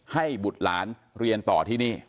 บุตรหลานเรียนต่อที่นี่